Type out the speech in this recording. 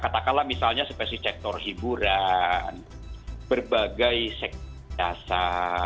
katakanlah misalnya sepesi sektor hiburan berbagai sektasa